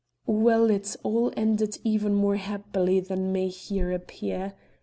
Well, it all ended even more happily than may here appear.